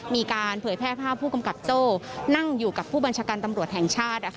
เผยแพร่ภาพผู้กำกับโจ้นั่งอยู่กับผู้บัญชาการตำรวจแห่งชาติ